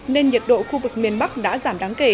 nên nhiệt độ khu vực miền bắc đã giảm đáng kể